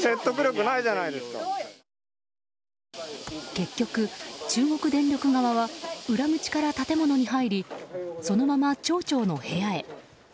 結局、中国電力側は裏口から建物に入りそのまま町長の部屋へ。